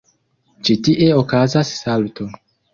Ĉi tie okazas salto.